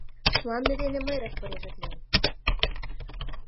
— Мланде дене мый распоряжатлем.